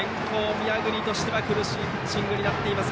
宮國としては苦しいピッチングになっています